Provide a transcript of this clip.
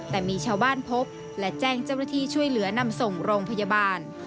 แต่มีชาวบ้านพบและแจ้งเจ้าหน้าที่ช่วยเหลือนำส่งโรงพยาบาล